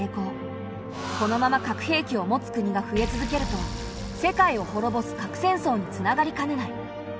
このまま核兵器を持つ国が増え続けると世界をほろぼす核戦争につながりかねない。